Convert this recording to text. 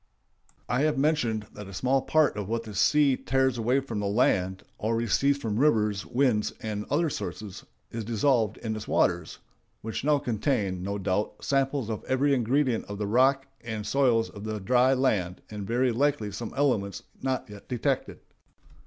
I have mentioned that a small part of what the sea tears away from the land, or receives from rivers, winds, and other sources, is dissolved in its waters, which now contain, no doubt, samples of every ingredient of the rocks and soils of the dry land, and very likely some elements not yet detected.